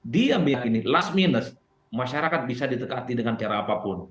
dia meyakini last minus masyarakat bisa ditekati dengan cara apapun